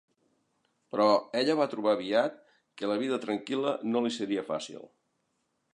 Però, ella va trobar aviat que la vida tranquil·la no li seria fàcil.